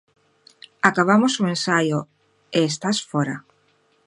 "Acabamos o ensaio", e estás fóra.